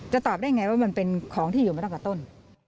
จะตอบได้อย่างไรว่ามันเป็นของที่อยู่มันต้องกับต้น